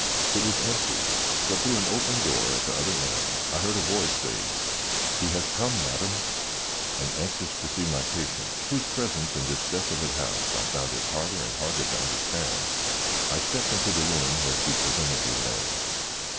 It was empty, but through an open door at the other end I heard a voice saying: "He has come, madam;" and anxious to see my patient, whose presence in this desolate house I found it harder and harder to understand, I stepped into the room where she presumably lay.